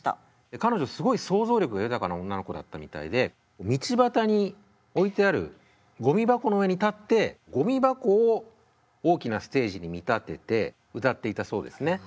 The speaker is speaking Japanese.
彼女すごい想像力が豊かな女の子だったみたいで道端に置いてあるゴミ箱の上に立ってゴミ箱を大きなステージに見立てて歌っていたそうですね。